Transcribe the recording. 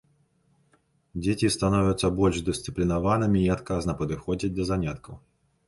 Дзеці становяцца больш дысцыплінаванымі і адказна падыходзяць да заняткаў.